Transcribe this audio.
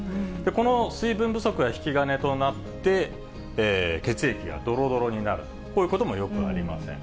この水分不足が引き金となって、血液がどろどろになる、こういうこともよくありません。